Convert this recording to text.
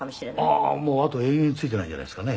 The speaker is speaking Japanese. ああーあと永遠についてないんじゃないですかね。